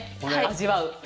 味わう。